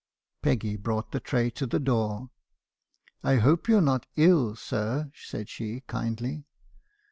"Peggy brought the tray to the door. " 'I hope you 're not ill, sir?' said she kindly.